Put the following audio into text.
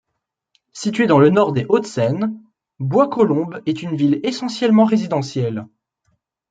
Situé dans le nord des Hauts-de-Seine, Bois-Colombes est une ville essentiellement résidentielle.